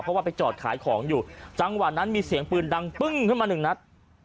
เพราะว่าไปจอดขายของอยู่จังหวะนั้นมีเสียงปืนดังปึ้งขึ้นมาหนึ่งนัด